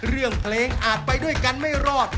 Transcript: เรื่องเพลงอาจไปด้วยกันไม่รอด